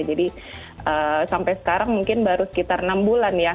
jadi sampai sekarang mungkin baru sekitar enam bulan ya